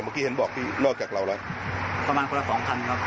เมื่อกี้เห็นบอกพี่นอกจากเราแล้วประมาณคนละสองคันครับ